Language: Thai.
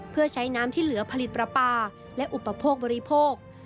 เพื่อใช้น้ำที่เหลือผลิตปลาปลาและอุปโภคบริโภค